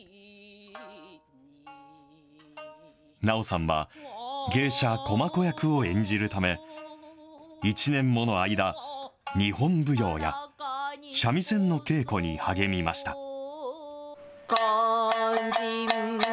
奈緒さんは、芸者、駒子役を演じるため、１年もの間、日本舞踊や、三味線の稽古に励みました。